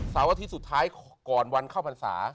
สาวอาทิตย์สุดท้ายก่อนวันเข้าภาษามนาคาร